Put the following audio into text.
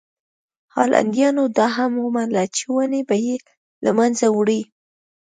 هالنډیانو دا هم ومنله چې ونې به یې له منځه وړي.